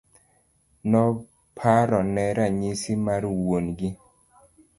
Noparone ranyisi mar wuon gi.